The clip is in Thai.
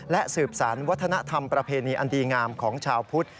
และสืบสารวัฒนธรรมประเพณีอันดีงามของชาวพุทธ